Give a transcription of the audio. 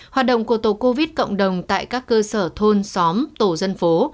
hoạt động của tổ covid cộng đồng tại các cơ sở thôn xóm tổ dân phố